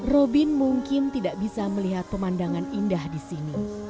robin mungkin tidak bisa melihat pemandangan indah di sini